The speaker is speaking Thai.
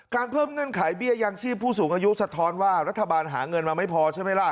เพิ่มเงื่อนไขเบี้ยยังชีพผู้สูงอายุสะท้อนว่ารัฐบาลหาเงินมาไม่พอใช่ไหมล่ะ